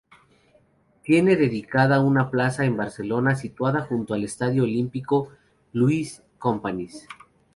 Tiene dedicada una plaza en Barcelona, situada junto al Estadio Olímpico Lluís Companys.